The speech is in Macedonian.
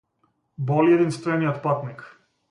Боли единствениот патник.